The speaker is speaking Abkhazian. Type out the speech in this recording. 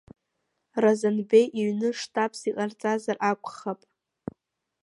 Разанбеи иҩны штабс иҟарҵазар акәхап…